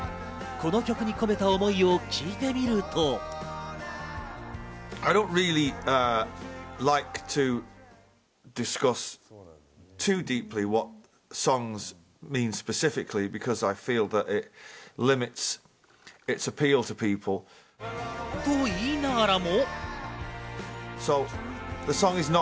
この曲に込めた思いを聞いてみると。と言いながらも。